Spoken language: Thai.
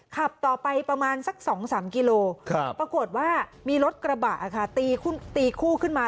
ขับต่อไปประมาณสัก๒๓กิโลปรากฏว่ามีรถกระบะค่ะตีคู่ขึ้นมา